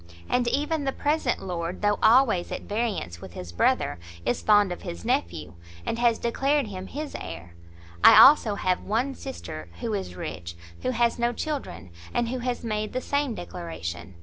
And even the present lord, though always at variance with his brother, is fond of his nephew, and has declared him his heir. I, also, have one sister, who is rich, who has no children, and who has made the same declaration.